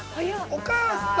◆お母さん！